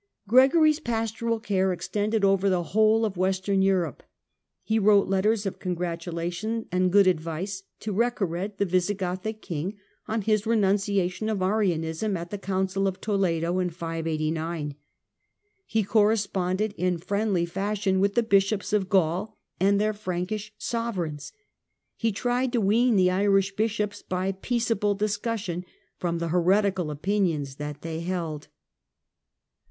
Gregory's pastoral care extended over the whole of Western Europe. He wrote letters of congratulation and good advice to Reccared, the Visigothic king, on his renunciation of Arianism at the Council of Toledo in 589 ; he corresponded in friendly fashion with the Bishops of Gaul and their Frankish sovereigns ; he tried to wean the Irish bishops, by peaceable discussion, from . the heretical opinions that they held.